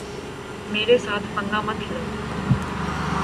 میرے ساتھ پنگا مت لو۔